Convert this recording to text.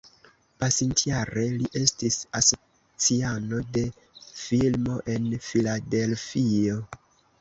Pasintjare, li estis asociano de firmo en Filadelfio.